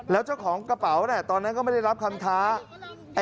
แล้วเจ้าของกระเป๋าตอนนั้นก็ไม่ได้รับคำท้า